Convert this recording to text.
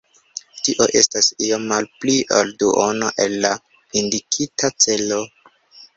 Tio estas iom malpli ol duono el la indikita celo.